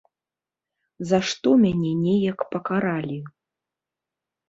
За што мяне неяк пакаралі.